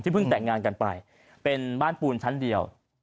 เพิ่งแต่งงานกันไปเป็นบ้านปูนชั้นเดียว